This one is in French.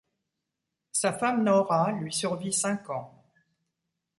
Sa femme Norah lui survit cinq ans.